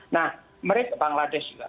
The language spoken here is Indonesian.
nah bangladesh juga